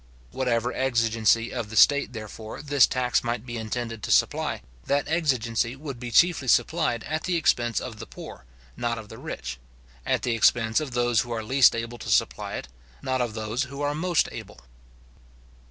Whatever exigency of the state, therefore, this tax might be intended to supply, that exigency would be chiefly supplied at the expense of the poor, not of the rich; at the expense of those who are least able to supply it, not of those who are most able.